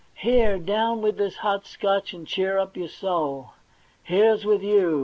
Here, down with this hot Scotch, and cheer up your soul. Here's with you !